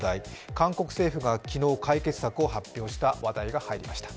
韓国政府が昨日、解決策を発表した話題が入りました。